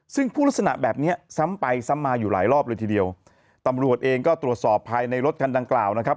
ซึ่งพูดลักษณะแบบเนี้ยซ้ำไปซ้ำมาอยู่หลายรอบเลยทีเดียวตำรวจเองก็ตรวจสอบภายในรถคันดังกล่าวนะครับ